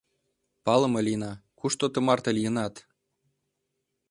— палыме лийына, кушто тымарте лийынат?